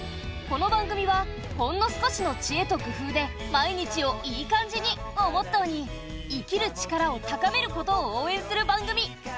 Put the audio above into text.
この番組はほんの少しの知恵と工夫で毎日を「イーカんじ」に！をモットーに生きる力を高めることを応えんする番組。